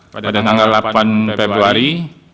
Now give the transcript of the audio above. pada tanggal delapan februari